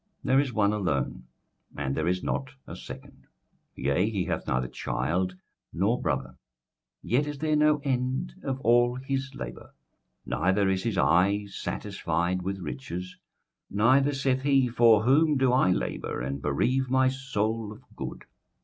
21:004:008 There is one alone, and there is not a second; yea, he hath neither child nor brother: yet is there no end of all his labour; neither is his eye satisfied with riches; neither saith he, For whom do I labour, and bereave my soul of good?